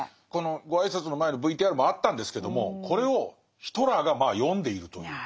ご挨拶の前のＶＴＲもあったんですけどもこれをヒトラーが読んでいるという。